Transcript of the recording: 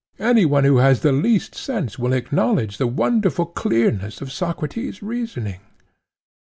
Any one who has the least sense will acknowledge the wonderful clearness of Socrates' reasoning.